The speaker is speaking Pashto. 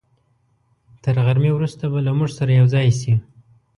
تر غرمې وروسته به له موږ سره یوځای شي.